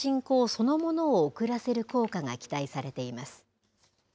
そのものを遅らせる効果が期待されています。